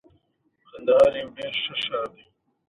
د عطرونو فرق د موادو او مارکیټ له نرخونو سره تړلی وي